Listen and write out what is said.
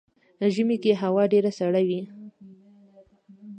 ژمی کې هوا ډیره سړه وي .